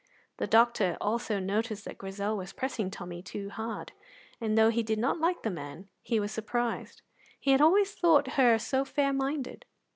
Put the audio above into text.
The doctor also noticed that Grizel was pressing Tommy too hard, and though he did not like the man, he was surprised he had always thought her so fair minded.